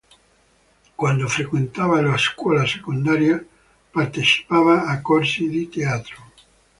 Quando frequentava la scuola secondaria partecipava a corsi di teatro.